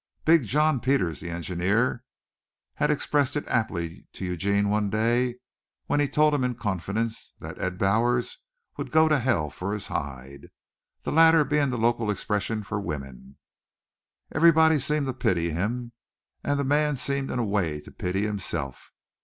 Big John Peters, the engineer, had expressed it aptly to Eugene one day when he told him in confidence that "Ed Bowers would go to hell for his hide," the latter being the local expression for women. Everybody seemed to pity him, and the man seemed in a way to pity himself.